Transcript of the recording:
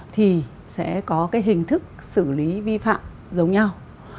thì sẽ có cái hình thức xử lý vi phạm giống nhau